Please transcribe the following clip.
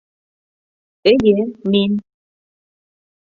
Эйе, мин.